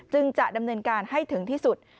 จะดำเนินการให้ถึงที่สุด